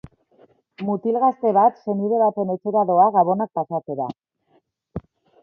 Mutil gazte bat senide baten etxera doa Gabonak pasatzera.